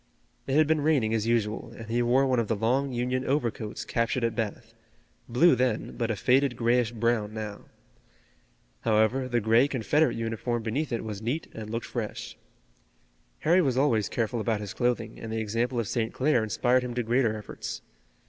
It had been raining as usual, and he wore one of the long Union overcoats captured at Bath, blue then but a faded grayish brown now. However, the gray Confederate uniform beneath it was neat and looked fresh. Harry was always careful about his clothing, and the example of St. Clair inspired him to greater efforts.